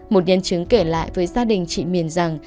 một nhân chứng kể lại với gia đình chị miền rằng